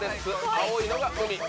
青いのが海。